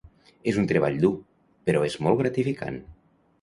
És un treball dur, però és molt gratificant.